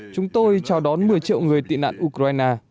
chúng tôi chào đón một mươi triệu người tị nạn ukraine